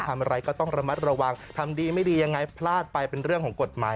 อะไรก็ต้องระมัดระวังทำดีไม่ดียังไงพลาดไปเป็นเรื่องของกฎหมาย